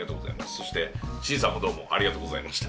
そしてシンさんもどうもありがとうございました。